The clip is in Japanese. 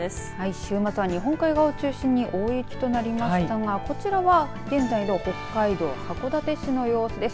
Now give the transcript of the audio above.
週末は日本海側を中心に大雪となりましたがこちらが現在の北海道函館市の様子です。